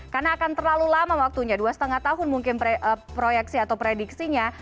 karena akan terlalu lama waktunya dua lima tahun mungkin proyeksi atau prediksinya